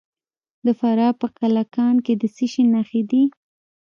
د فراه په قلعه کاه کې د څه شي نښې دي؟